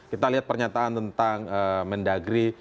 kita lihat pernyataan tentang mendagri